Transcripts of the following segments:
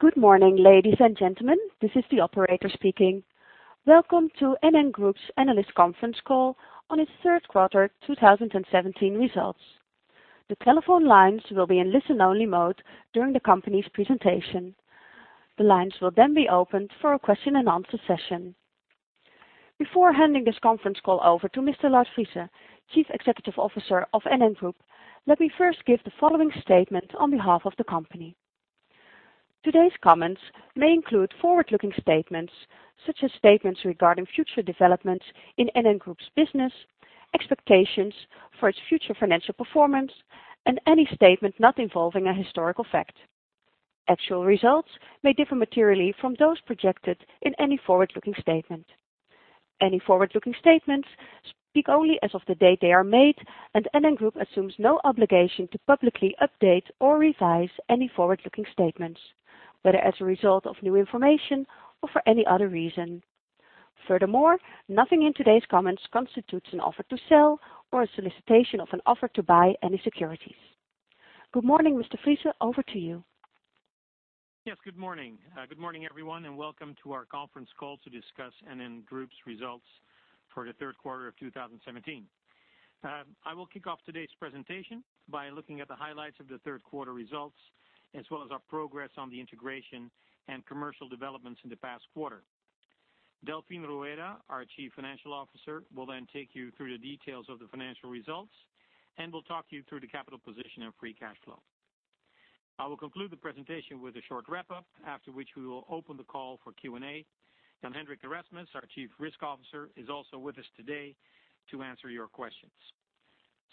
Good morning, ladies and gentlemen. This is the operator speaking. Welcome to NN Group's analyst conference call on its third quarter 2017 results. The telephone lines will be in listen-only mode during the company's presentation. The lines will then be opened for a question-and-answer session. Before handing this conference call over to Mr. Lard Friese, Chief Executive Officer of NN Group, let me first give the following statement on behalf of the company. Today's comments may include forward-looking statements, such as statements regarding future developments in NN Group's business, expectations for its future financial performance, and any statement not involving a historical fact. Actual results may differ materially from those projected in any forward-looking statement. Any forward-looking statements speak only as of the date they are made, NN Group assumes no obligation to publicly update or revise any forward-looking statements, whether as a result of new information or for any other reason. Nothing in today's comments constitutes an offer to sell or a solicitation of an offer to buy any securities. Good morning, Mr. Friese. Over to you. Yes, good morning. Good morning, everyone, Welcome to our conference call to discuss NN Group's results for the third quarter of 2017. I will kick off today's presentation by looking at the highlights of the third quarter results, as well as our progress on the integration and commercial developments in the past quarter. Delfin Rueda, our Chief Financial Officer, will then take you through the details of the financial results Will talk you through the capital position and free cash flow. I will conclude the presentation with a short wrap-up, after which we will open the call for Q&A. Jan-Hendrik Erasmus, our Chief Risk Officer, is also with us today to answer your questions.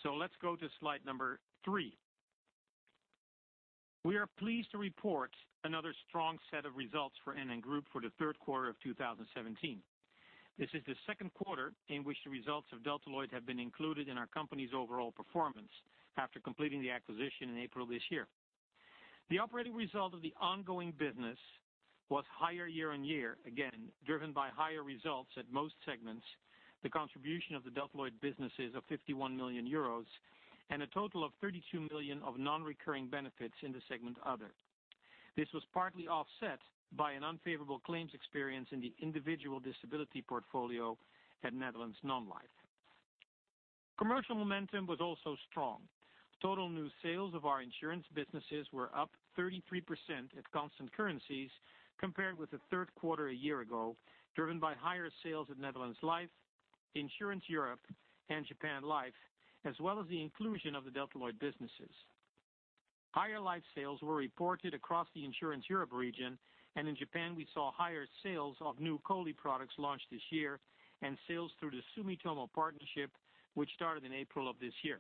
Let's go to slide number three. We are pleased to report another strong set of results for NN Group for the third quarter of 2017. This is the second quarter in which the results of Delta Lloyd have been included in our company's overall performance after completing the acquisition in April this year. The operating result of the ongoing business was higher year-on-year, again, driven by higher results at most segments, the contribution of the Delta Lloyd businesses of €51 million, and a total of 32 million of non-recurring benefits in the segment other. This was partly offset by an unfavorable claims experience in the individual disability portfolio at Netherlands Non-life. Commercial momentum was also strong. Total new sales of our insurance businesses were up 33% at constant currencies compared with the third quarter a year ago, driven by higher sales at Netherlands Life, Insurance Europe, and Japan Life, as well as the inclusion of the Delta Lloyd businesses. Higher life sales were reported across the Insurance Europe region. In Japan, we saw higher sales of new COLI products launched this year and sales through the Sumitomo partnership, which started in April of this year.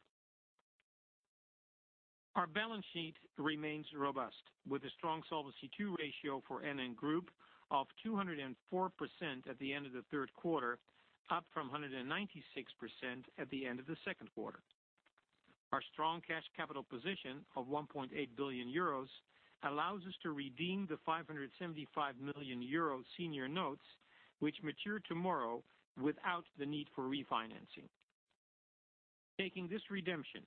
Our balance sheet remains robust with a strong Solvency II ratio for NN Group of 204% at the end of the third quarter, up from 196% at the end of the second quarter. Our strong cash capital position of 1.8 billion euros allows us to redeem the 575 million euro senior notes, which mature tomorrow without the need for refinancing. Taking this redemption,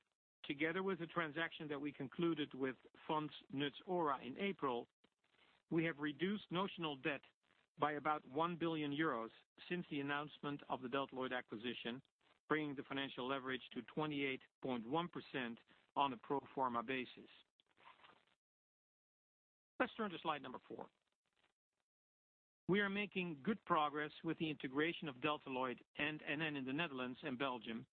together with the transaction that we concluded with Fonds NutsOhra in April, we have reduced notional debt by about 1 billion euros since the announcement of the Delta Lloyd acquisition, bringing the financial leverage to 28.1% on a pro forma basis. Let's turn to slide number four. We are making good progress with the integration of Delta Lloyd and NN in the Netherlands and Belgium,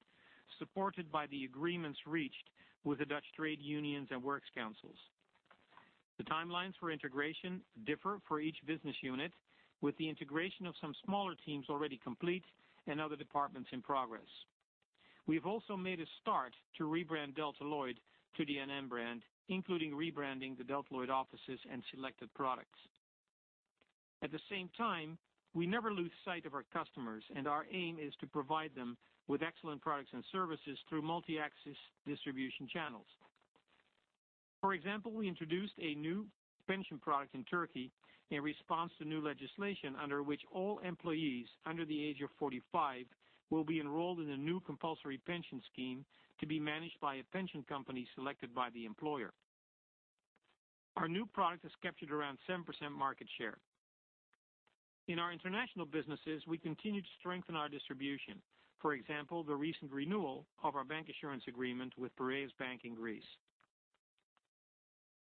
supported by the agreements reached with the Dutch trade unions and works councils. The timelines for integration differ for each business unit, with the integration of some smaller teams already complete and other departments in progress. We've also made a start to rebrand Delta Lloyd to the NN brand, including rebranding the Delta Lloyd offices and selected products. At the same time, we never lose sight of our customers, and our aim is to provide them with excellent products and services through multi-access distribution channels. For example, we introduced a new pension product in Turkey in response to new legislation under which all employees under the age of 45 will be enrolled in a new compulsory pension scheme to be managed by a pension company selected by the employer. Our new product has captured around 7% market share. In our international businesses, we continue to strengthen our distribution. For example, the recent renewal of our bank insurance agreement with Piraeus Bank in Greece.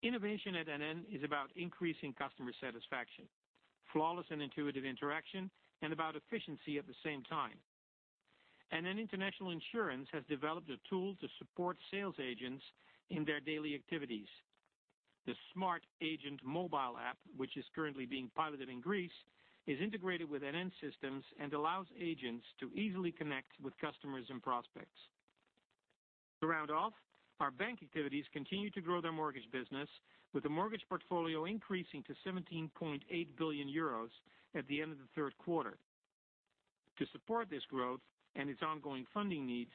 Innovation at NN is about increasing customer satisfaction, flawless and intuitive interaction, and about efficiency at the same time. NN International Insurance has developed a tool to support sales agents in their daily activities. The Smart Agent mobile app, which is currently being piloted in Greece, is integrated with NN systems and allows agents to easily connect with customers and prospects. To round off, our bank activities continue to grow their mortgage business, with the mortgage portfolio increasing to 17.8 billion euros at the end of the third quarter. To support this growth and its ongoing funding needs,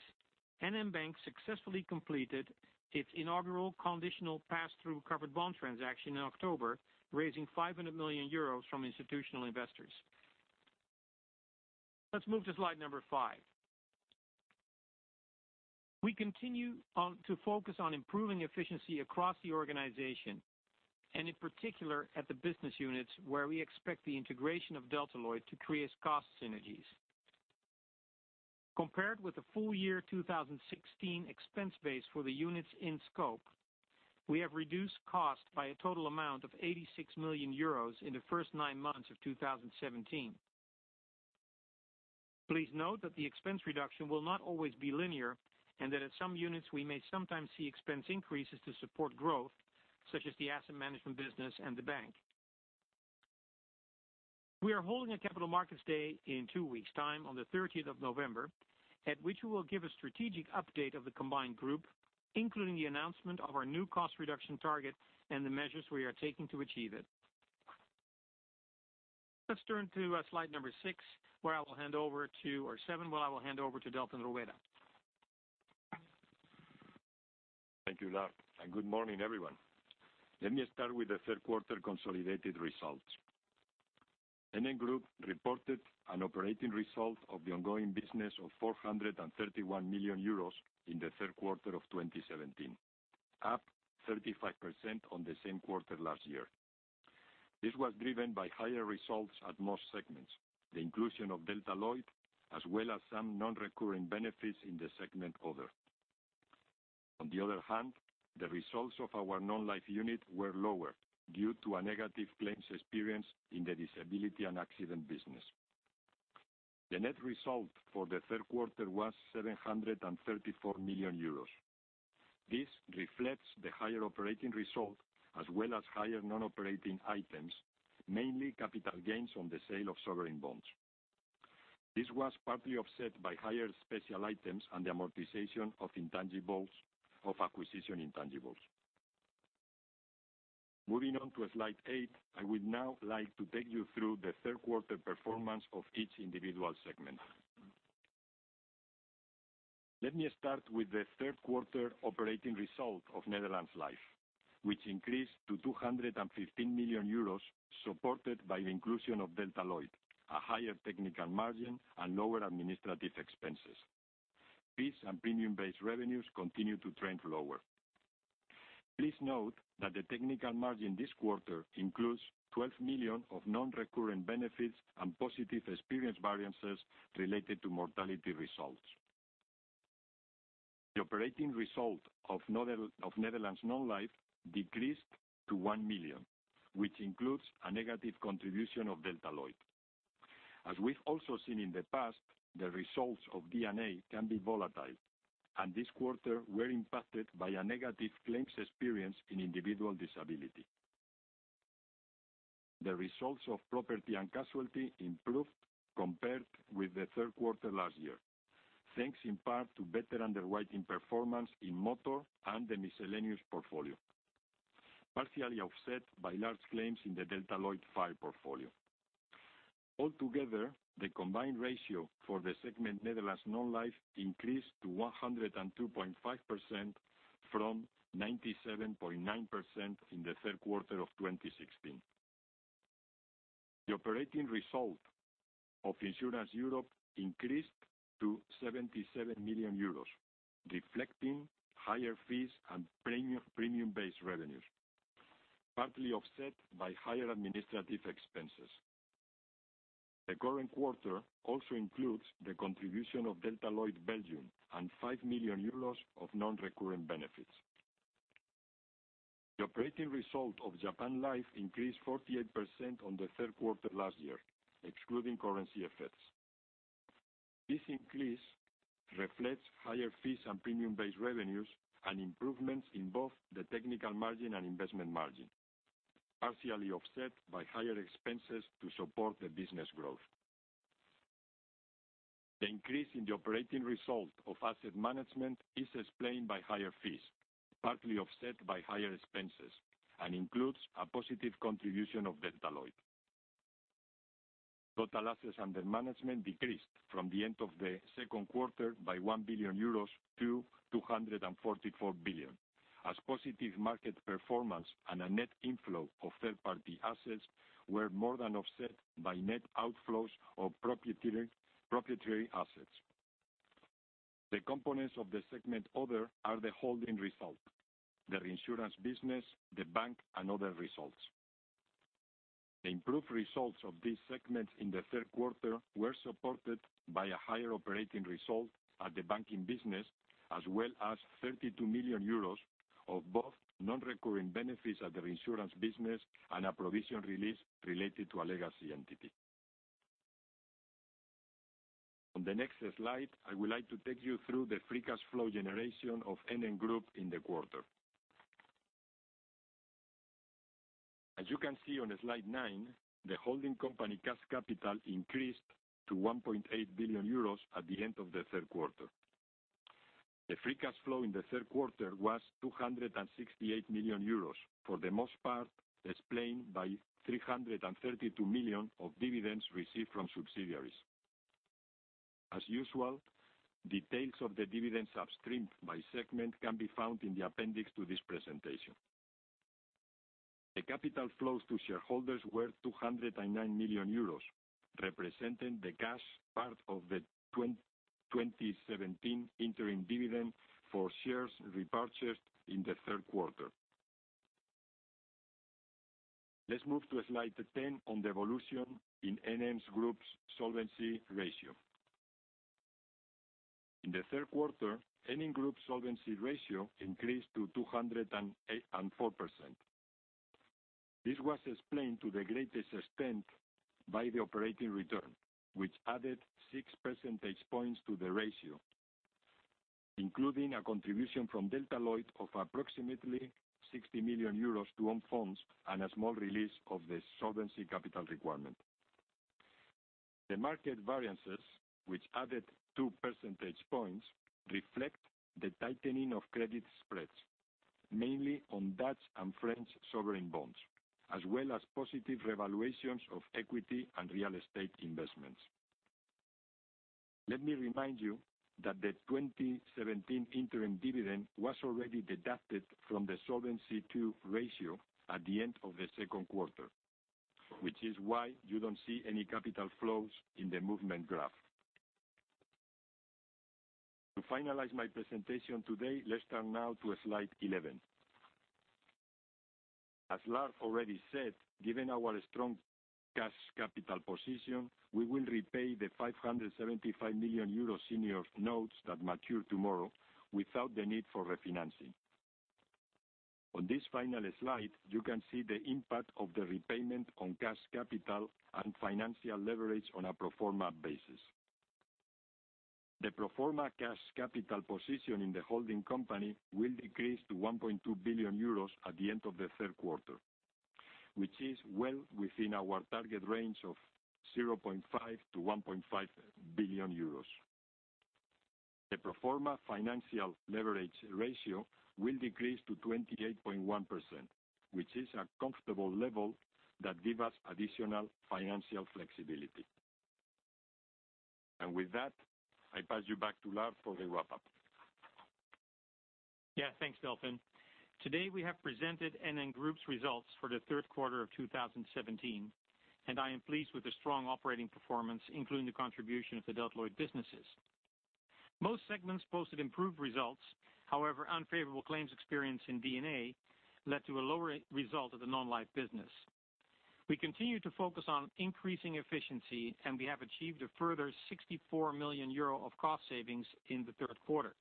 NN Bank successfully completed its inaugural conditional pass-through covered bond transaction in October, raising 500 million euros from institutional investors. Let's move to slide number five. We continue to focus on improving efficiency across the organization, and in particular at the business units where we expect the integration of Delta Lloyd to create cost synergies. Compared with the full year 2016 expense base for the units in scope, we have reduced cost by a total amount of 86 million euros in the first nine months of 2017. Please note that the expense reduction will not always be linear, and that at some units we may sometimes see expense increases to support growth, such as the asset management business and the bank. We are holding a capital markets day in two weeks' time, on the 30th of November, at which we will give a strategic update of the combined group, including the announcement of our new cost reduction target and the measures we are taking to achieve it. Let's turn to slide number six, where I will hand over to or seven, where I will hand over to Delfin Rueda. Thank you, Lard, and good morning, everyone. Let me start with the third quarter consolidated results. NN Group reported an operating result of the ongoing business of 431 million euros in the third quarter of 2017, up 35% on the same quarter last year. This was driven by higher results at most segments, the inclusion of Delta Lloyd, as well as some non-recurring benefits in the segment other. On the other hand, the results of our non-life unit were lower due to a negative claims experience in the disability and accident business. The net result for the third quarter was 734 million euros. This reflects the higher operating result as well as higher non-operating items, mainly capital gains on the sale of sovereign bonds. This was partly offset by higher special items and the amortization of acquisition intangibles. Moving on to slide eight, I would now like to take you through the third quarter performance of each individual segment. Let me start with the third quarter operating result of Netherlands Life, which increased to 215 million euros, supported by the inclusion of Delta Lloyd, a higher technical margin, and lower administrative expenses. Fees and premium-based revenues continue to trend lower. Please note that the technical margin this quarter includes 12 million of non-recurring benefits and positive experience variances related to mortality results. The operating result of Netherlands Non-life decreased to 1 million, which includes a negative contribution of Delta Lloyd. As we've also seen in the past, the results of DNA can be volatile, and this quarter were impacted by a negative claims experience in individual disability. The results of property and casualty improved compared with the third quarter last year, thanks in part to better underwriting performance in motor and the miscellaneous portfolio, partially offset by large claims in the Delta Lloyd fire portfolio. All together, the combined ratio for the segment Netherlands Non-life increased to 102.5% from 97.9% in the third quarter of 2016. The operating result of Insurance Europe increased to 77 million euros, reflecting higher fees and premium-based revenues, partly offset by higher administrative expenses. The current quarter also includes the contribution of Delta Lloyd Belgium and 5 million euros of non-recurring benefits. The operating result of Japan Life increased 48% on the third quarter last year, excluding currency effects. This increase reflects higher fees and premium-based revenues and improvements in both the technical margin and investment margin, partially offset by higher expenses to support the business growth. The increase in the operating result of asset management is explained by higher fees, partly offset by higher expenses, and includes a positive contribution of Delta Lloyd. Total assets under management decreased from the end of the second quarter by 1 billion euros to 244 billion, as positive market performance and a net inflow of third-party assets were more than offset by net outflows of proprietary assets. The components of the segment other are the holding result, the reinsurance business, the bank, and other results. The improved results of these segments in the third quarter were supported by a higher operating result at the banking business, as well as 32 million euros of both non-recurring benefits at the reinsurance business and a provision release related to a legacy entity. On the next slide, I would like to take you through the free cash flow generation of NN Group in the quarter. As you can see on slide nine, the holding company cash capital increased to 1.8 billion euros at the end of the third quarter. The free cash flow in the third quarter was 268 million euros. For the most part, explained by 332 million of dividends received from subsidiaries. As usual, details of the dividends upstreamed by segment can be found in the appendix to this presentation. The capital flows to shareholders were 209 million euros, representing the cash part of the 2017 interim dividend for shares repurchased in the third quarter. Let's move to slide 10 on the evolution in NN Group's solvency ratio. In the third quarter, NN Group solvency ratio increased to 204%. This was explained to the greatest extent by the operating return, which added six percentage points to the ratio, including a contribution from Delta Lloyd of approximately 60 million euros to own funds and a small release of the solvency capital requirement. The market variances, which added two percentage points, reflect the tightening of credit spreads, mainly on Dutch and French sovereign bonds, as well as positive revaluations of equity and real estate investments. Let me remind you that the 2017 interim dividend was already deducted from the Solvency II ratio at the end of the second quarter, which is why you don't see any capital flows in the movement graph. To finalize my presentation today, let's turn now to slide 11. As Lard already said, given our strong cash capital position, we will repay the 575 million euro senior notes that mature tomorrow without the need for refinancing. On this final slide, you can see the impact of the repayment on cash capital and financial leverage on a pro forma basis. The pro forma cash capital position in the holding company will decrease to 1.2 billion euros at the end of the third quarter, which is well within our target range of 0.5 billion-1.5 billion euros. The pro forma financial leverage ratio will decrease to 28.1%, which is a comfortable level that give us additional financial flexibility. With that, I pass you back to Lard for the wrap-up. Thanks, Delfin. Today, we have presented NN Group's results for the third quarter of 2017, and I am pleased with the strong operating performance, including the contribution of the Delta Lloyd businesses. Most segments posted improved results. However, unfavorable claims experience in DNA led to a lower result of the non-life business. We continue to focus on increasing efficiency, and we have achieved a further 64 million euro of cost savings in the third quarter.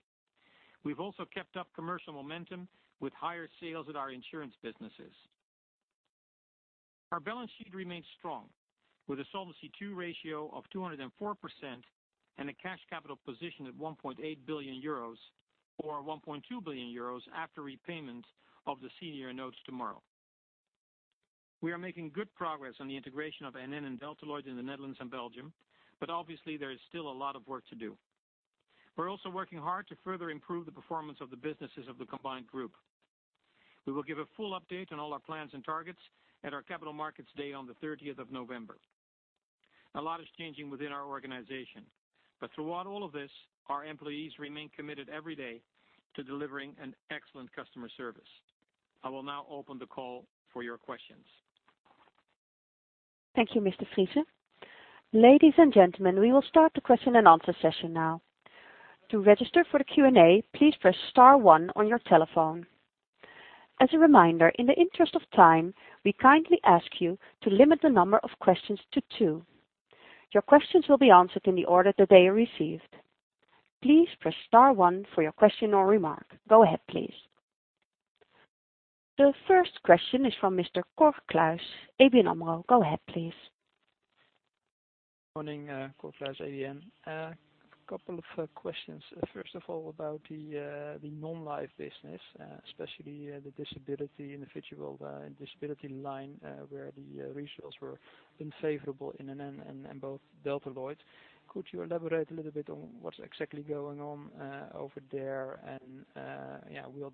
We've also kept up commercial momentum with higher sales at our insurance businesses. Our balance sheet remains strong, with a Solvency II ratio of 204% and a cash capital position of 1.8 billion euros or 1.2 billion euros after repayment of the senior notes tomorrow. We are making good progress on the integration of NN and Delta Lloyd in the Netherlands and Belgium, but obviously, there is still a lot of work to do. We're also working hard to further improve the performance of the businesses of the combined group. We will give a full update on all our plans and targets at our capital markets day on the 30th of November. A lot is changing within our organization, but throughout all of this, our employees remain committed every day to delivering an excellent customer service. I will now open the call for your questions. Thank you, Mr. Friese. Ladies and gentlemen, we will start the question and answer session now. To register for the Q&A, please press star one on your telephone. As a reminder, in the interest of time, we kindly ask you to limit the number of questions to two. Your questions will be answered in the order that they are received. Please press star one for your question or remark. Go ahead, please. The first question is from Mr. Cor Kluis, ABN AMRO. Go ahead, please. Morning, Cor Kluis, ABN. A couple of questions. First of all, about the non-life business, especially the disability individual, disability line, where the results were unfavorable in NN and both Delta Lloyd. Could you elaborate a little bit on what's exactly going on over there and will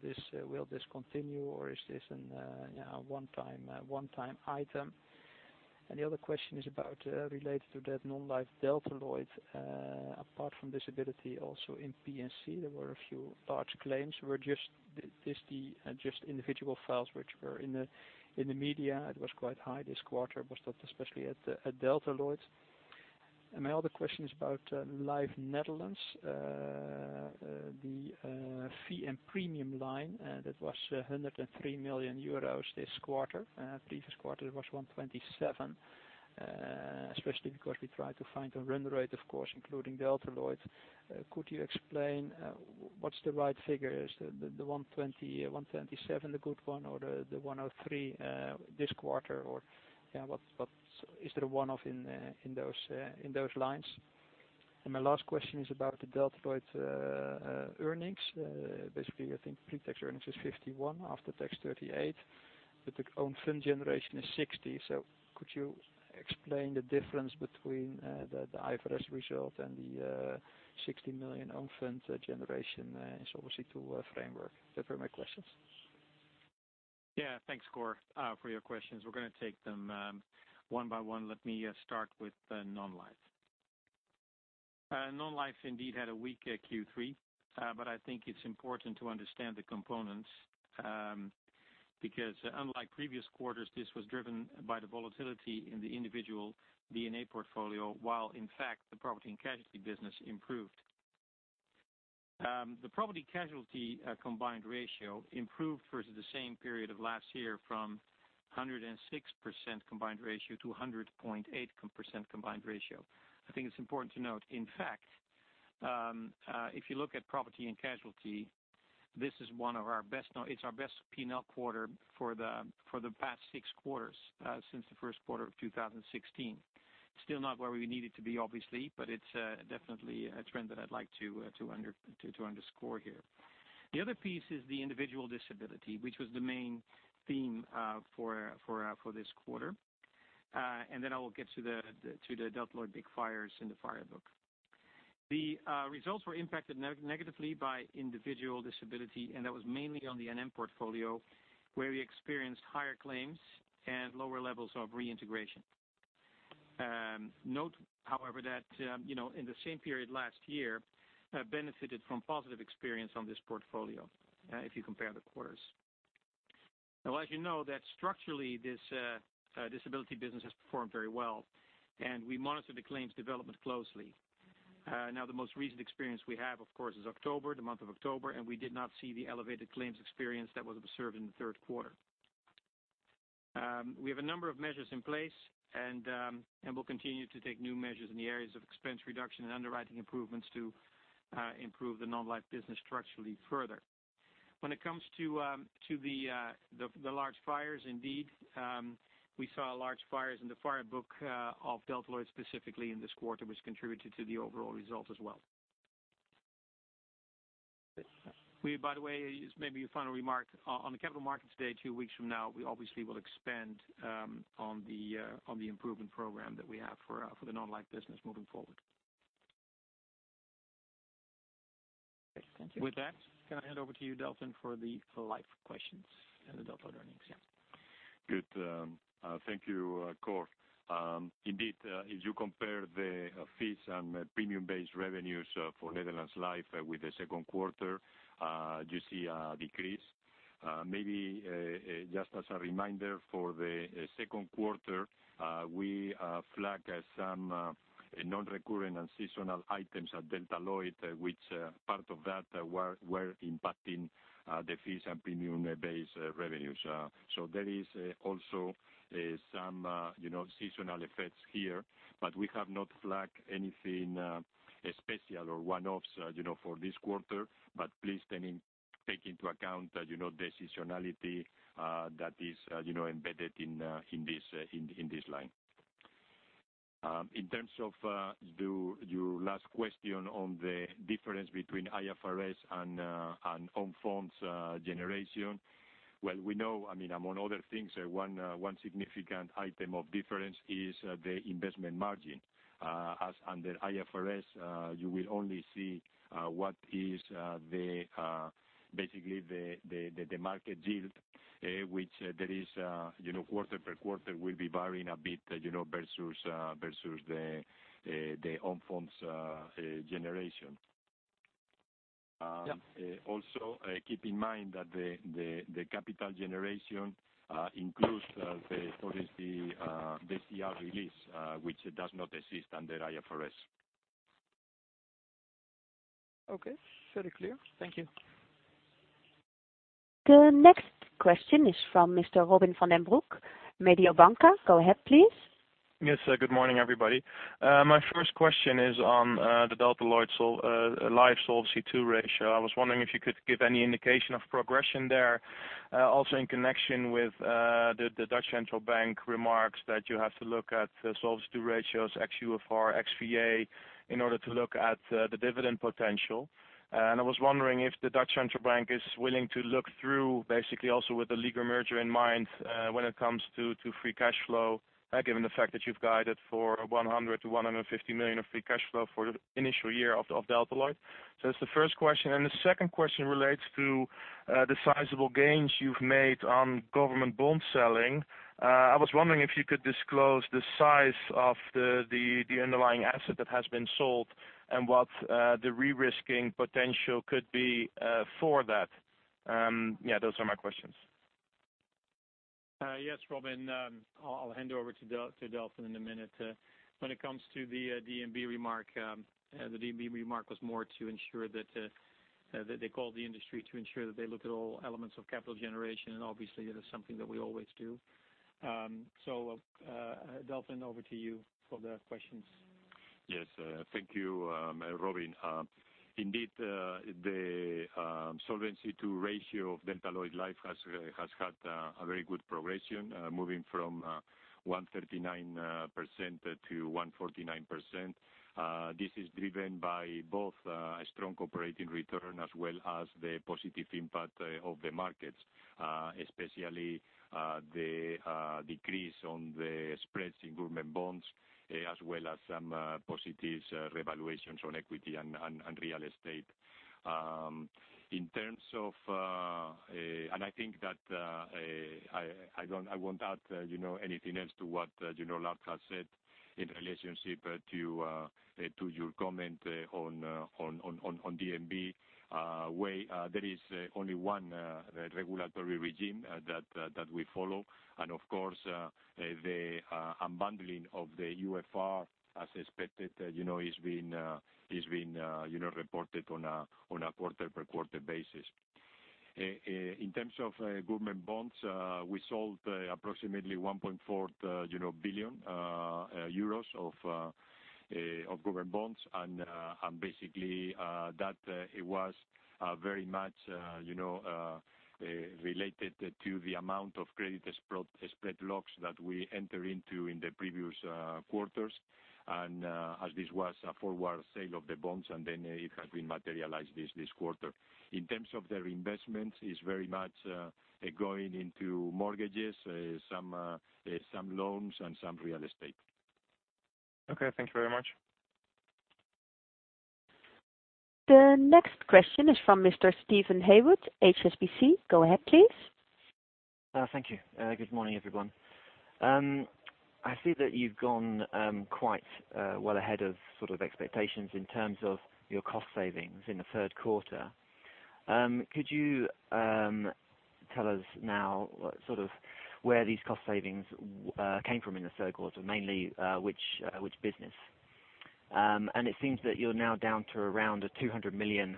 this continue, or is this a one-time item? The other question is related to that non-life Delta Lloyd. Apart from disability, also in P&C, there were a few large claims. Were these just individual files which were in the media? It was quite high this quarter, but especially at Delta Lloyd. My other question is about Netherlands Life. The fee and premium line, that was 103 million euros this quarter. Previous quarter, it was 127, especially because we try to find a run rate, of course, including Delta Lloyd. Could you explain what's the right figure? Is the 127 the good one or the 103 this quarter? Is there a one-off in those lines? My last question is about the Delta Lloyd earnings. Basically, I think pre-tax earnings is 51, after-tax 38, the own fund generation is 60. Could you explain the difference between the IFRS result and the 60 million own funds generation Solvency II framework? Those are my questions. Thanks, Cor, for your questions. We're going to take them one by one. Let me start with non-life. Non-life indeed had a weaker Q3. I think it's important to understand the components, because unlike previous quarters, this was driven by the volatility in the individual DNA portfolio, while in fact, the property and casualty business improved. The property casualty combined ratio improved versus the same period of last year from 106% combined ratio to 100.8% combined ratio. I think it's important to note, in fact, if you look at property and casualty, it's our best P&L quarter for the past six quarters since the first quarter of 2016. Still not where we need it to be, obviously, it's definitely a trend that I'd like to underscore here. The other piece is the individual disability, which was the main theme for this quarter. Then I will get to the Delta Lloyd big fires in the fire book. The results were impacted negatively by individual disability, and that was mainly on the NN portfolio, where we experienced higher claims and lower levels of reintegration. Note, however, that in the same period last year, benefited from positive experience on this portfolio, if you compare the quarters. As you know, that structurally, this disability business has performed very well, and we monitor the claims development closely. The most recent experience we have, of course, is October, the month of October, and we did not see the elevated claims experience that was observed in the third quarter. We have a number of measures in place and we'll continue to take new measures in the areas of expense reduction and underwriting improvements to improve the non-life business structurally further. When it comes to the large fires, indeed, we saw large fires in the fire book of Delta Lloyd, specifically in this quarter, which contributed to the overall result as well. We, by the way, maybe a final remark. On the capital markets day, two weeks from now, we obviously will expand on the improvement program that we have for the non-life business moving forward. Okay, thank you. With that, can I hand over to you, Delfin, for the life questions and the Delta Lloyd earnings? Yeah. Good. Thank you, Cor. Indeed, if you compare the fees and premium-based revenues for Netherlands Life with the second quarter, you see a decrease. Maybe just as a reminder, for the second quarter, we flagged some non-reoccurring and seasonal items at Delta Lloyd, which part of that were impacting the fees and premium-based revenues. There is also some seasonal effects here, but we have not flagged anything special or one-offs for this quarter. Please take into account the seasonality that is embedded in this line. In terms of your last question on the difference between IFRS and own funds generation. Well, we know, among other things, one significant item of difference is the investment margin. As under IFRS, you will only see what is basically the market yield, which there is quarter per quarter will be varying a bit versus the own funds generation. Yeah. Also, keep in mind that the capital generation includes the policy, the SCR release, which does not exist under IFRS. Okay. Very clear. Thank you. The next question is from Mr. Robin van den Broek, Mediobanca. Go ahead, please. Yes. Good morning, everybody. My first question is on the Delta Lloyd Life Solvency II ratio. I was wondering if you could give any indication of progression there. Also in connection with the De Nederlandsche Bank remarks that you have to look at Solvency II ratios, ex-UFR, ex-VA, in order to look at the dividend potential. I was wondering if the De Nederlandsche Bank is willing to look through, basically also with the legal merger in mind, when it comes to free cash flow, given the fact that you've guided for 100 million-150 million of free cash flow for the initial year of Delta Lloyd. That's the first question. The second question relates to the sizable gains you've made on government bond selling. I was wondering if you could disclose the size of the underlying asset that has been sold and what the re-risking potential could be for that. Yeah, those are my questions. Yes, Robin. I'll hand over to Delfin in a minute. When it comes to the DNB remark, the DNB remark was more to ensure that they call the industry to ensure that they look at all elements of capital generation, obviously that is something that we always do. Delfin, over to you for the questions. Yes. Thank you, Robin. Indeed, the Solvency II ratio of Delta Lloyd Life has had a very good progression, moving from 139% to 149%. This is driven by both a strong operating return as well as the positive impact of the markets. Especially the decrease on the spreads in government bonds, as well as some positives revaluations on equity and real estate. I think that I won't add anything else to what Lard has said In relationship to your comment on DNB, there is only one regulatory regime that we follow. Of course, the unbundling of the UFR, as expected, is being reported on a quarter per quarter basis. In terms of government bonds, we sold approximately 1.4 billion euros of government bonds, basically that it was very much related to the amount of credit spread locks that we enter into in the previous quarters, as this was a forward sale of the bonds, then it has been materialized this quarter. In terms of the reinvestments, it's very much going into mortgages, some loans, and some real estate. Okay. Thank you very much. The next question is from Mr. Steven Haywood, HSBC. Go ahead, please. Thank you. Good morning, everyone. I see that you've gone quite well ahead of expectations in terms of your cost savings in Q3. Could you tell us now where these cost savings came from in Q3, mainly which business? It seems that you're now down to around a 200 million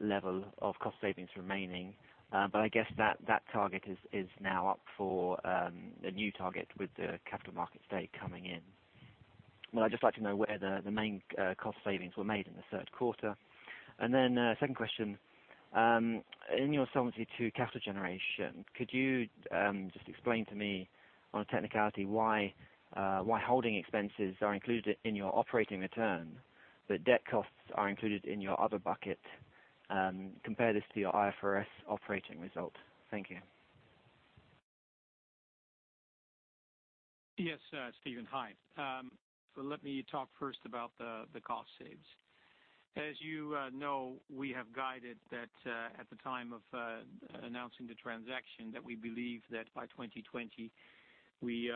level of cost savings remaining. I guess that target is now up for a new target with the capital markets day coming in. I'd just like to know where the main cost savings were made in Q3. Second question, in your Solvency II capital generation, could you just explain to me on a technicality why holding expenses are included in your operating return, but debt costs are included in your other bucket? Compare this to your IFRS operating result. Thank you. Yes. Steven, hi. Let me talk first about the cost saves. As you know, we have guided that at the time of announcing the transaction, that we believe that by 2020 we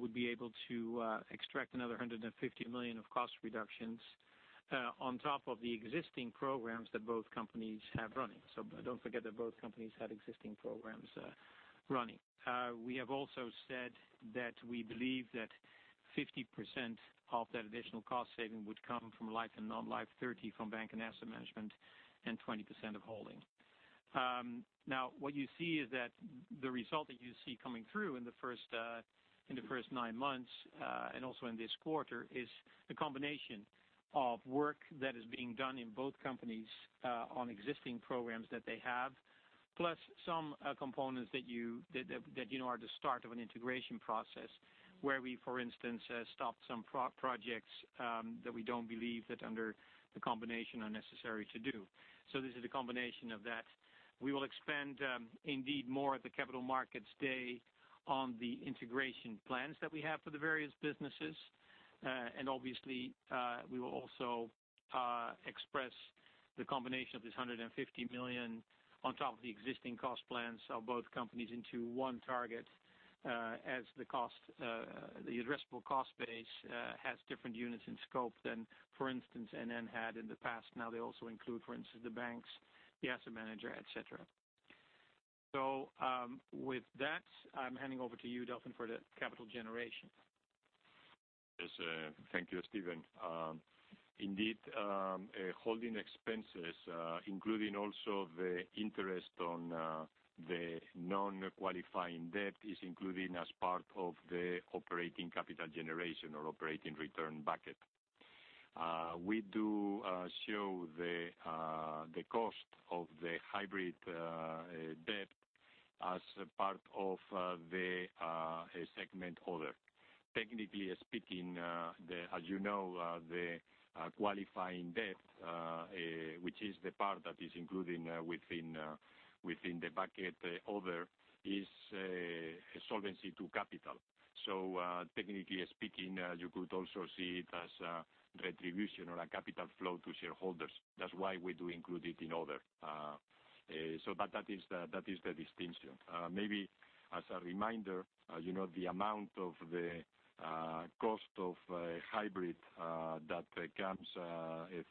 would be able to extract another 150 million of cost reductions on top of the existing programs that both companies have running. Don't forget that both companies had existing programs running. We have also said that we believe that 50% of that additional cost saving would come from Life and Non-life, 30% from NN Bank and asset management, and 20% of holding. What you see is that the result that you see coming through in the 9 months, and also in this quarter, is the combination of work that is being done in both companies on existing programs that they have. Plus some components that you know are the start of an integration process where we, for instance, stopped some projects that we don't believe that under the combination are necessary to do. This is a combination of that. We will expand indeed more at the capital markets day on the integration plans that we have for the various businesses. Obviously, we will also express the combination of this 150 million on top of the existing cost plans of both companies into one target, as the addressable cost base has different units in scope than, for instance, NN had in the past. They also include, for instance, NN Bank, the asset manager, et cetera. With that, I'm handing over to you, Delfin, for the capital generation. Yes. Thank you, Steven. Indeed, holding expenses including also the interest on the non-qualifying debt, is included as part of the operating capital generation or operating return bucket. We do show the cost of the hybrid debt as a part of the segment other. Technically speaking, as you know, the qualifying debt which is the part that is included within the bucket other, is a Solvency II capital. Technically speaking, you could also see it as a retribution or a capital flow to shareholders. That's why we do include it in other. That is the distinction. Maybe as a reminder, the amount of the cost of hybrid that comes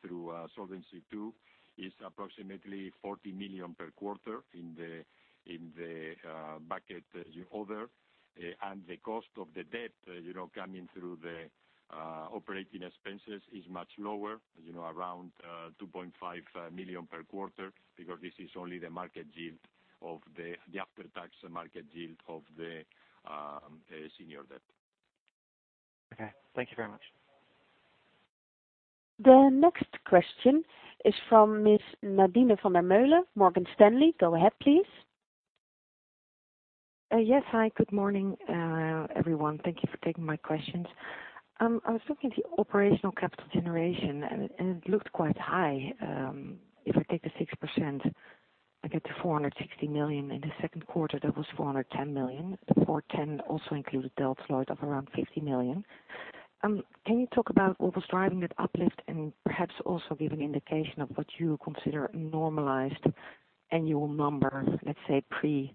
through Solvency II is approximately 40 million per quarter in the bucket other, and the cost of the debt coming through the operating expenses is much lower, around 2.5 million per quarter, because this is only the after tax market yield of the senior debt. Okay. Thank you very much. The next question is from Miss Nadine van der Meulen, Morgan Stanley. Go ahead, please. Yes. Hi, good morning, everyone. Thank you for taking my questions. I was looking at the operational capital generation, and it looked quite high. If I take the 6%, I get to 460 million. In the second quarter, that was 410 million. The 410 also included Delta Lloyd of around 50 million. Can you talk about what was driving that uplift? Perhaps also give an indication of what you consider a normalized annual number, let's say, pre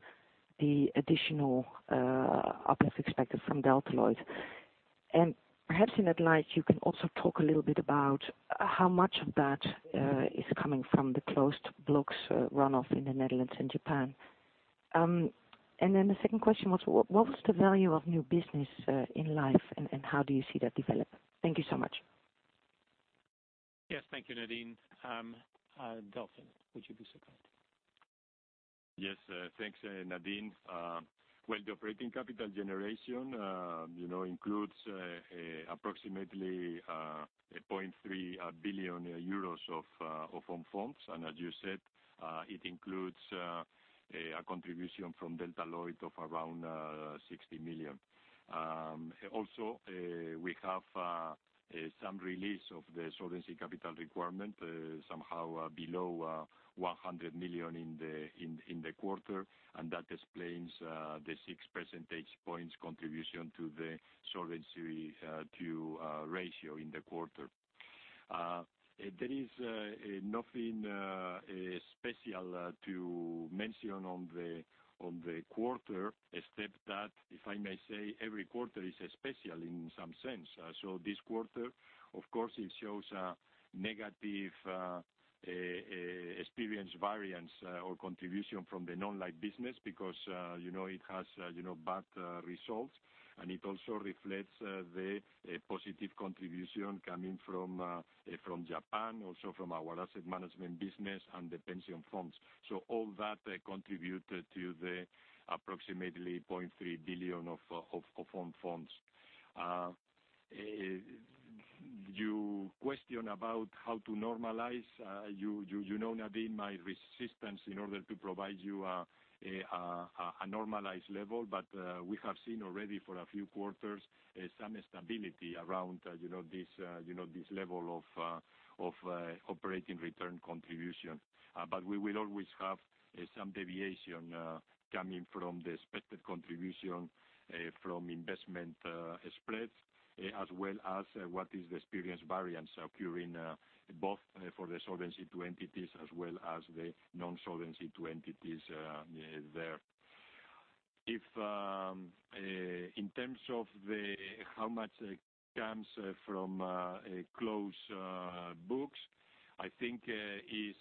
the additional uplift expected from Delta Lloyd? Perhaps in that light, you can also talk a little bit about how much of that is coming from the closed blocks runoff in the Netherlands and Japan. Then the second question was, what was the value of new business in Life and how do you see that developing? Thank you so much. Yes. Thank you, Nadine. Delfin, would you be so kind? Yes. Thanks, Nadine. Well, the operating capital generation includes approximately 0.3 billion euros of own funds. As you said, it includes a contribution from Delta Lloyd of around 60 million. We have some release of the Solvency Capital Requirement, somehow below 100 million in the quarter. That explains the six percentage points contribution to the Solvency II ratio in the quarter. There is nothing special to mention on the quarter except that, if I may say, every quarter is special in some sense. This quarter, of course, it shows a negative experience variance or contribution from the Non-life business because it has bad results, and it also reflects the positive contribution coming from Japan, also from our asset management business and the pension funds. All that contributed to the approximately 0.3 billion of own funds. You question about how to normalize. You know, Nadine, my resistance in order to provide you a normalized level. We have seen already for a few quarters some stability around this level of operating return contribution. We will always have some deviation coming from the expected contribution from investment spreads, as well as what is the experience variance occurring both for the Solvency II entities as well as the non-Solvency II entities there. In terms of how much comes from close books, I think is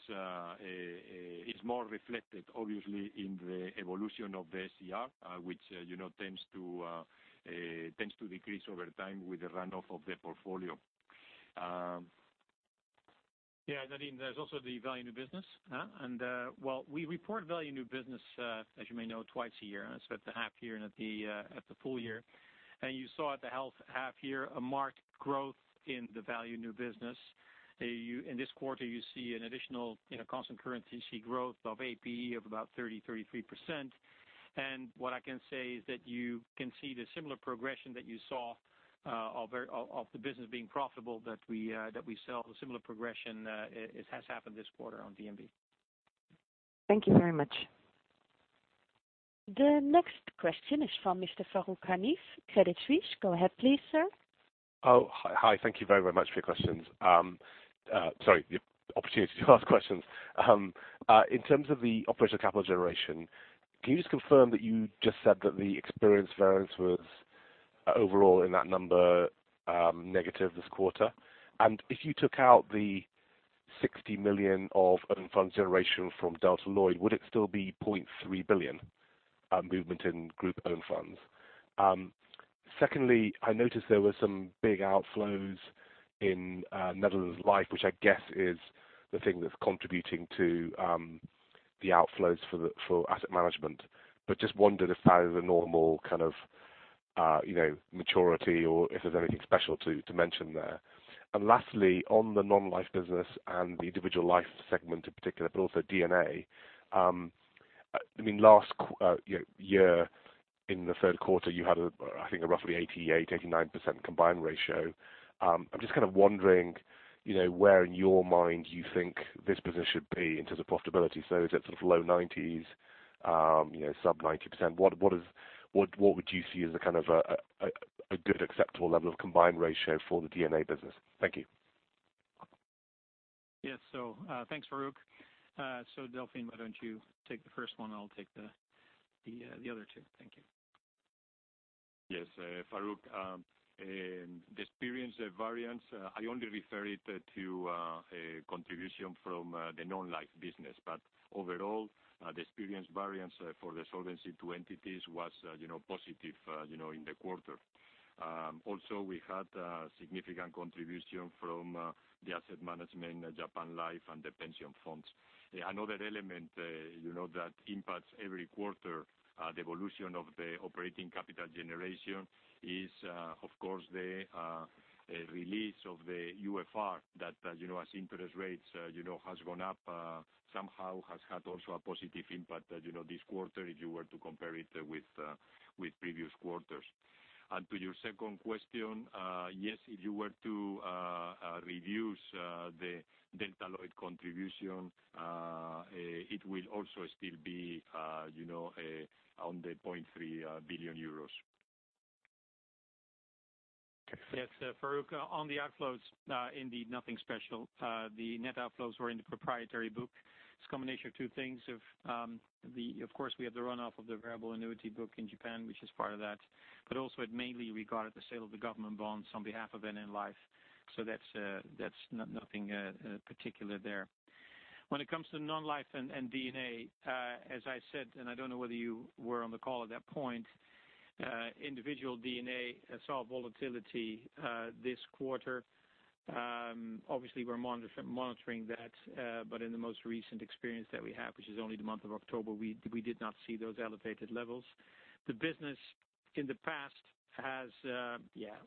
more reflected, obviously, in the evolution of the SCR, which tends to decrease over time with the runoff of the portfolio. Yeah, Nadine, there's also the value new business. Well, we report value new business, as you may know, twice a year. At the half year and at the full year. You saw at the half year a marked growth in the value new business. In this quarter, you see an additional constant currency growth of APE of about 30%, 33%. What I can say is that you can see the similar progression that you saw of the business being profitable that we sell. A similar progression has happened this quarter on VNB. Thank you very much. The next question is from Mr. Farooq Hanif, Credit Suisse. Go ahead please, sir. Hi. Thank you very much for your questions. Sorry, the opportunity to ask questions. In terms of the operational capital generation, can you just confirm that you just said that the experience variance was overall in that number negative this quarter? If you took out the 60 million of own funds generation from Delta Lloyd, would it still be 0.3 billion movement in group own funds? Secondly, I noticed there were some big outflows in Netherlands Life, which I guess is the thing that's contributing to the outflows for asset management. Just wondered if that is a normal kind of maturity or if there's anything special to mention there. Lastly, on the Non-life business and the individual Life segment in particular, but also DNA. Last year in the third quarter, you had, I think, a roughly 88%, 89% combined ratio. I'm just kind of wondering, where in your mind you think this business should be in terms of profitability? Is it sort of low 90s, sub 90%? What would you see as a kind of a good acceptable level of combined ratio for the DNA business? Thank you. Yes. Thanks, Farooq. Delfin, why don't you take the first one? I'll take the other two. Thank you. Yes. Farooq, the experience variance, I only refer it to a contribution from the Non-life business. Overall, the experience variance for the Solvency II entities was positive in the quarter. Also, we had a significant contribution from the asset management, Japan Life, and the pension funds. Another element that impacts every quarter, the evolution of the operating capital generation is, of course, the release of the UFR that as interest rates has gone up, somehow has had also a positive impact this quarter, if you were to compare it with previous quarters. To your second question, yes, if you were to reduce the Delta Lloyd contribution, it will also still be on the 0.3 billion euros. Yes, Farooq, on the outflows, indeed, nothing special. The net outflows were in the proprietary book. It's a combination of two things. Of course, we have the run-off of the variable annuity book in Japan, which is part of that, but also it mainly regarded the sale of the government bonds on behalf of NN Life. That's nothing particular there. When it comes to Non-life and DNA, as I said, and I don't know whether you were on the call at that point, individual DNA saw volatility this quarter. Obviously, we're monitoring that, but in the most recent experience that we have, which is only the month of October, we did not see those elevated levels. The business in the past has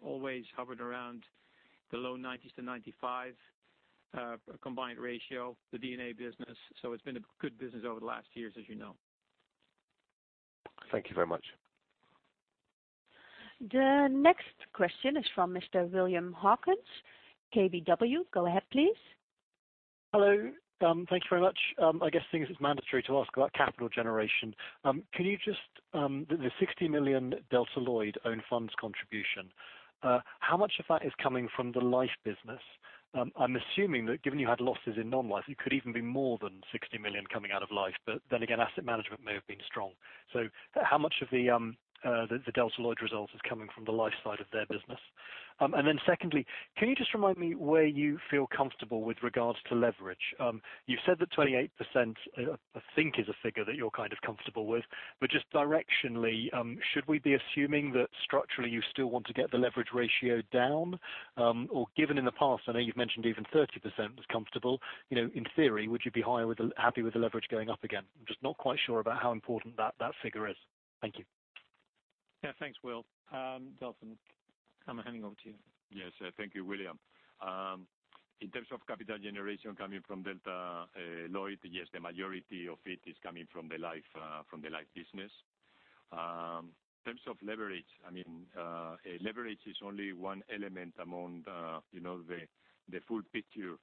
always hovered around the low 90s-95 combined ratio, the DNA business. It's been a good business over the last years, as you know. Thank you very much. The next question is from Mr. William Hawkins, KBW. Go ahead, please. Hello. Thank you very much. I guess since it's mandatory to ask about capital generation. Can you just the 60 million Delta Lloyd own funds contribution, how much of that is coming from the life business? I'm assuming that given you had losses in non-life, it could even be more than 60 million coming out of life. Again, asset management may have been strong. How much of the Delta Lloyd result is coming from the life side of their business? Secondly, can you just remind me where you feel comfortable with regards to leverage? You've said that 28%, I think, is a figure that you're kind of comfortable with, just directionally, should we be assuming that structurally you still want to get the leverage ratio down? Given in the past, I know you've mentioned even 30% was comfortable, in theory, would you be happy with the leverage going up again? I'm just not quite sure about how important that figure is. Thank you. Thanks, Will. Delfin, I'm handing over to you. Yes. Thank you, William. In terms of capital generation coming from Delta Lloyd, yes, the majority of it is coming from the life business. In terms of leverage is only one element among the full picture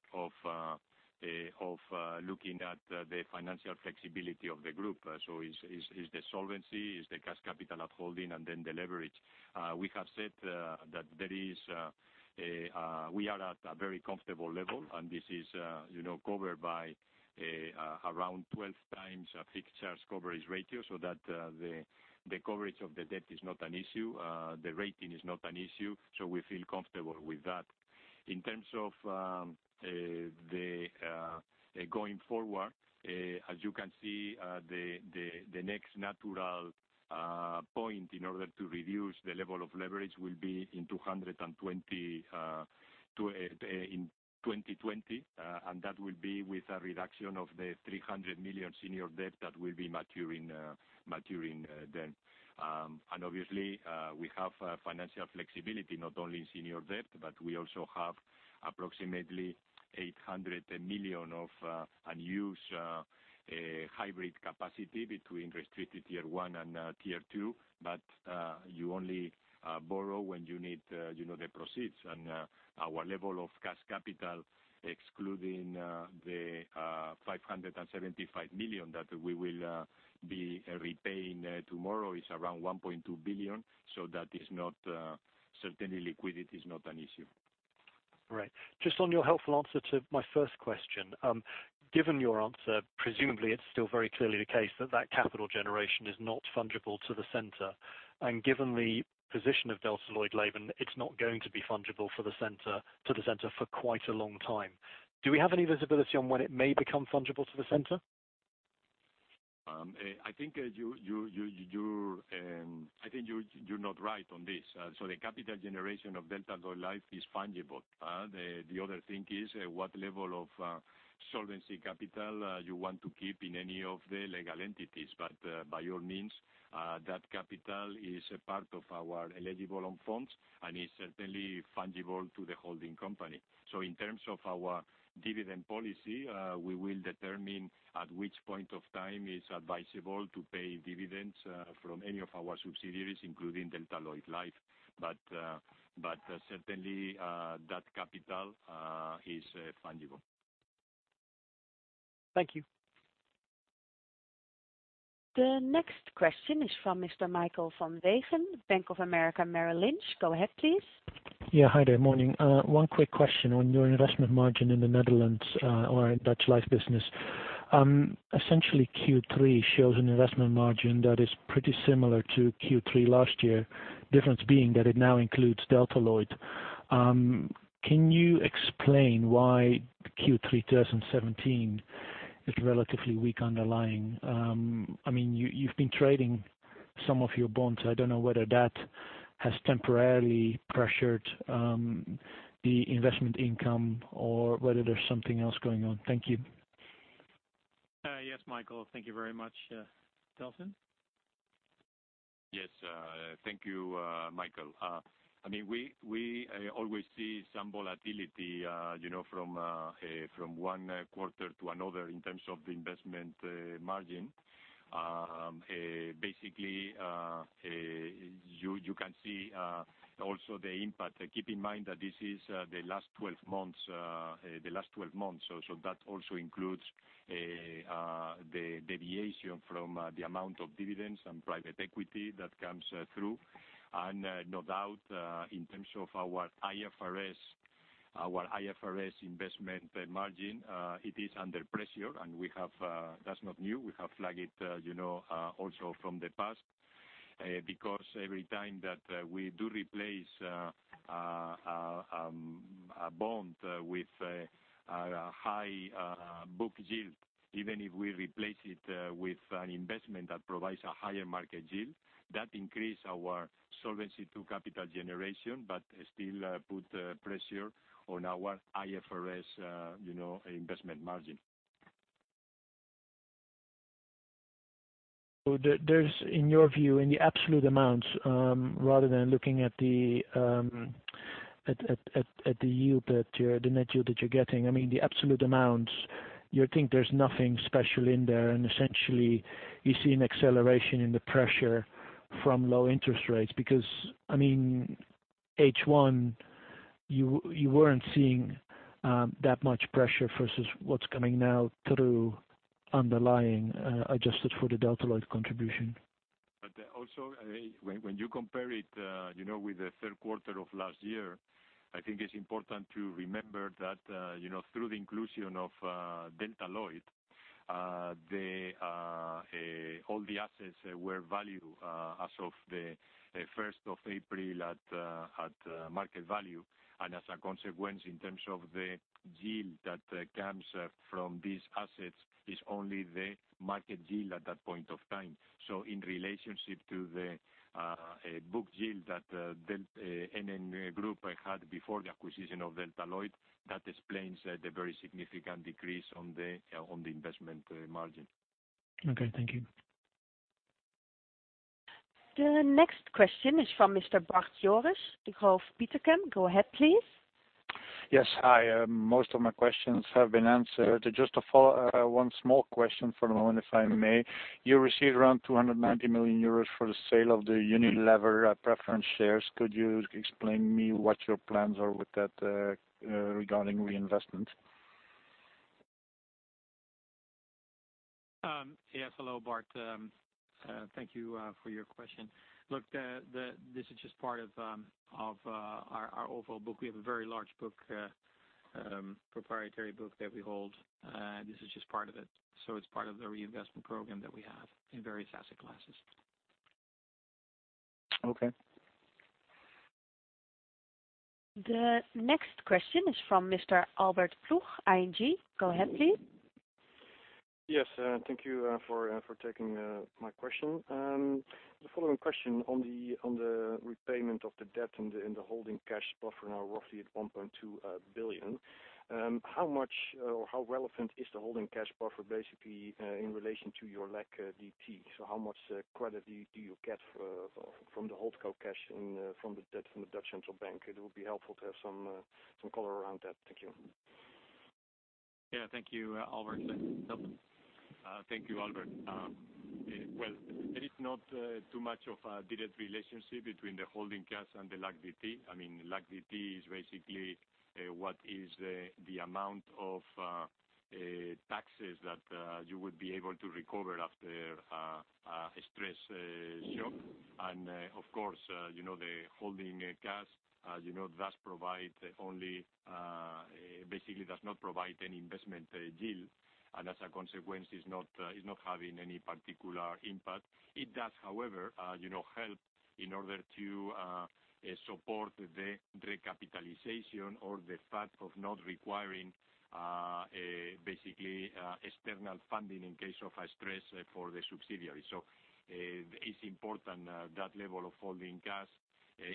of looking at the financial flexibility of the group. It's the solvency, it's the cash capital upholding, and then the leverage. We have said that we are at a very comfortable level, and this is covered by around 12 times fixed charge coverage ratio, so that the coverage of the debt is not an issue, the rating is not an issue. We feel comfortable with that. In terms of going forward, as you can see, the next natural point in order to reduce the level of leverage will be in 2020. That will be with a reduction of the 300 million senior debt that will be maturing then. Obviously, we have financial flexibility, not only in senior debt, but we also have approximately 800 million of unused hybrid capacity between restricted tier one and tier two. You only borrow when you need the proceeds. Our level of cash capital, excluding the 575 million that we will be repaying tomorrow, is around 1.2 billion. Certainly liquidity is not an issue. Right. Just on your helpful answer to my first question. Given your answer, presumably it's still very clearly the case that that capital generation is not fungible to the center. Given the position of Delta Lloyd Life, it's not going to be fungible to the center for quite a long time. Do we have any visibility on when it may become fungible to the center? I think you're not right on this. The capital generation of Delta Lloyd Life is fungible. The other thing is what level of solvency capital you want to keep in any of the legal entities. By all means, that capital is a part of our eligible own funds and is certainly fungible to the holding company. In terms of our dividend policy, we will determine at which point of time it's advisable to pay dividends from any of our subsidiaries, including Delta Lloyd Life. Certainly, that capital is fungible. Thank you. The next question is from Mr. Michael van Wegen, Bank of America, Merrill Lynch. Go ahead, please. Yeah. Hi there. Morning. One quick question on your investment margin in the Netherlands or in Netherlands Life business. Essentially, Q3 shows an investment margin that is pretty similar to Q3 last year. Difference being that it now includes Delta Lloyd. Can you explain why Q3 2017 is relatively weak underlying? You've been trading some of your bonds. I don't know whether that has temporarily pressured the investment income or whether there's something else going on. Thank you. Yes, Michael. Thank you very much. Delfin? Yes. Thank you, Michael. We always see some volatility from one quarter to another in terms of the investment margin. Basically, you can see also the impact. Keep in mind that this is the last 12 months. That also includes the deviation from the amount of dividends and private equity that comes through. No doubt, in terms of our IFRS investment margin, it is under pressure, and that is not new. We have flagged it, also from the past. Every time that we do replace a bond with a high book yield, even if we replace it with an investment that provides a higher market yield, that increase our solvency to capital generation, but still put pressure on our IFRS investment margin. There is, in your view, in the absolute amounts, rather than looking at the net yield that you are getting, I mean, the absolute amounts, you think there is nothing special in there, and essentially you see an acceleration in the pressure from low interest rates because, H1, you were not seeing that much pressure versus what is coming now through underlying, adjusted for the Delta Lloyd contribution. Also, when you compare it with the third quarter of last year, I think it is important to remember that through the inclusion of Delta Lloyd, all the assets were valued as of the 1st of April at market value. As a consequence, in terms of the yield that comes from these assets, is only the market yield at that point of time. In relationship to the book yield that NN Group had before the acquisition of Delta Lloyd, that explains the very significant decrease on the investment margin. Okay, thank you. The next question is from Mr. Bart Jooris, Degroof Petercam. Go ahead, please. Yes. Hi. Most of my questions have been answered. Just one small question for the moment, if I may. You received around 290 million euros for the sale of the Unilever preference shares. Could you explain to me what your plans are with that, regarding reinvestment? Yes. Hello, Bart. Thank you for your question. Look, this is just part of our overall book. We have a very large proprietary book that we hold. This is just part of it. It's part of the reinvestment program that we have in various asset classes. Okay. The next question is from Mr. Albert Ploegh, ING. Go ahead, please. Yes. Thank you for taking my question. The following question on the repayment of the debt and the holding cash buffer now roughly at 1.2 billion. How much or how relevant is the holding cash buffer basically in relation to your LAC DT? How much credit do you get from the Holdco cash and from the debt from the De Nederlandsche Bank? It will be helpful to have some color around that. Thank you. Thank you, Albert. Delfin. Thank you, Albert. Well, there is not too much of a direct relationship between the holding cash and the LAC DT. LAC DT is basically what is the amount of taxes that you would be able to recover after a stress shock. Of course, the holding cash basically does not provide any investment yield, and as a consequence, is not having any particular impact. It does, however, help in order to support the recapitalization or the fact of not requiring basically external funding in case of a stress for the subsidiary. It's important, that level of holding cash,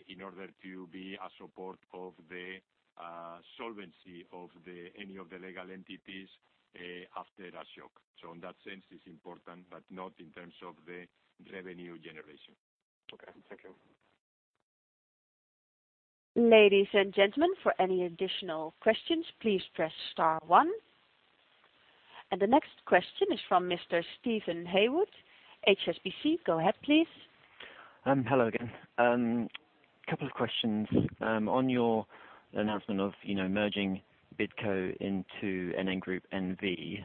in order to be a support of the solvency of any of the legal entities after a shock. In that sense, it's important, but not in terms of the revenue generation. Okay. Thank you. Ladies and gentlemen, for any additional questions, please press star one. The next question is from Mr. Steven Haywood, HSBC. Go ahead, please. Hello again. Couple of questions. On your announcement of merging Bidco into NN Group N.V.,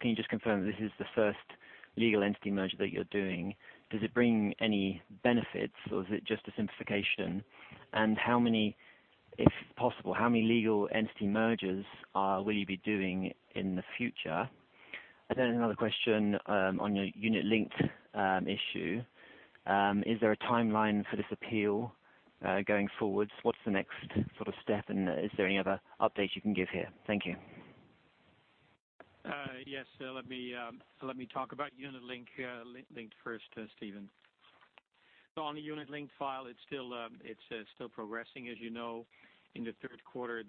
can you just confirm that this is the first legal entity merger that you're doing? Does it bring any benefits, or is it just a simplification? If possible, how many legal entity mergers will you be doing in the future? Another question on your Unit-Linked issue. Is there a timeline for this appeal going forward? What's the next step, and is there any other update you can give here? Thank you. Yes. Let me talk about Unit-Linked first, Steven. On the Unit-Linked file, it's still progressing. As you know, in the third quarter,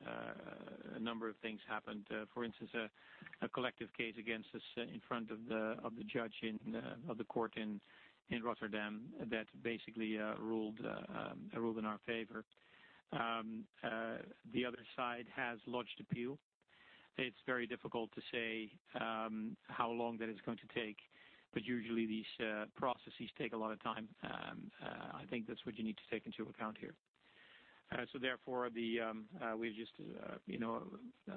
a number of things happened. For instance, a collective case against us in front of the court in Rotterdam, that basically ruled in our favor. The other side has lodged appeal. It's very difficult to say how long that is going to take, but usually these processes take a lot of time. I think that's what you need to take into account here. Therefore, we're just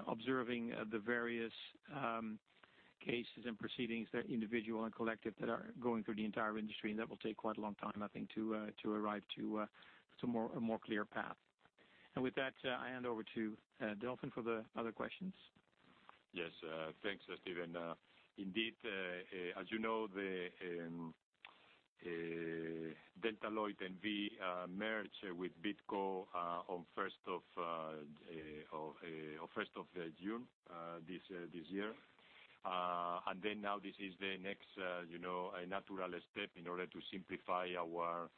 observing the various cases and proceedings that individual and collective that are going through the entire industry, and that will take quite a long time, I think, to arrive to a more clear path. With that, I hand over to Delfin for the other questions. Yes, thanks, Steven. Indeed, as you know, Delta Lloyd N.V. merged with Bidco on 1st of June this year. Now this is the next natural step in order to simplify our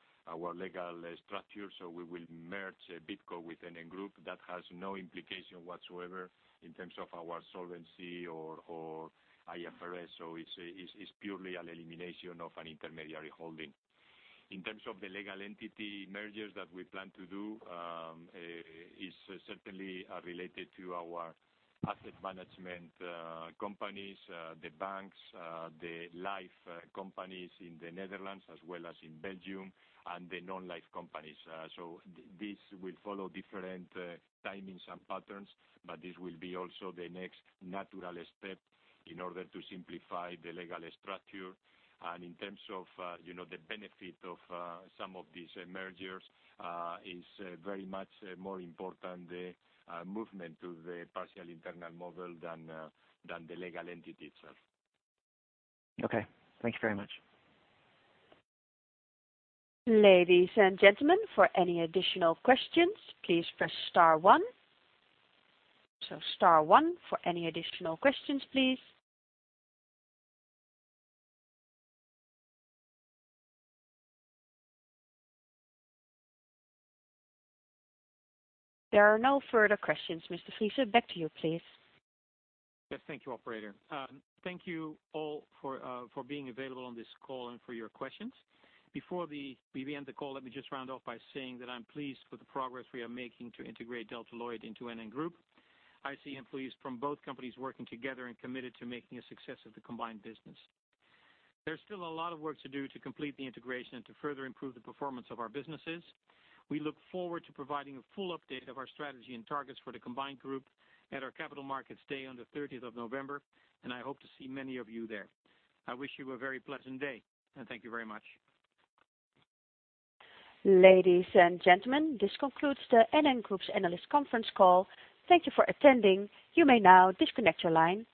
legal structure. We will merge Bidco within a group that has no implication whatsoever in terms of our solvency or IFRS. It's purely an elimination of an intermediary holding. In terms of the legal entity mergers that we plan to do, is certainly related to our asset management companies, the banks, the life companies in the Netherlands as well as in Belgium, and the non-life companies. This will follow different timings and patterns, but this will be also the next natural step in order to simplify the legal structure. In terms of the benefit of some of these mergers is very much more important, the movement to the partial internal model than the legal entity itself. Okay. Thank you very much. Ladies and gentlemen, for any additional questions, please press star one. Star one for any additional questions, please. There are no further questions, Mr. Friese, back to you, please. Thank you, operator. Thank you all for being available on this call and for your questions. Before we end the call, let me just round off by saying that I'm pleased with the progress we are making to integrate Delta Lloyd into NN Group. I see employees from both companies working together and committed to making a success of the combined business. There's still a lot of work to do to complete the integration and to further improve the performance of our businesses. We look forward to providing a full update of our strategy and targets for the combined group at our Capital Markets Day on the 30th of November, and I hope to see many of you there. I wish you a very pleasant day, and thank you very much. Ladies and gentlemen, this concludes the NN Group's analyst conference call. Thank you for attending. You may now disconnect your line.